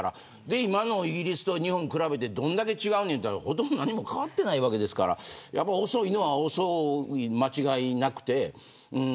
今のイギリスと日本を比べてどんだけ違うねんってほとんど何も変わってないわけですから遅いのは遅いに間違いなくて。